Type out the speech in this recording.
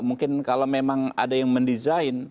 mungkin kalau memang ada yang mendesain